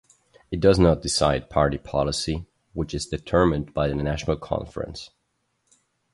It does not decide party policy, which is determined by the National Conference.